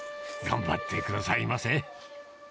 頑張ってくださいませ。